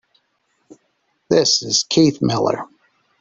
This is Keith Miller.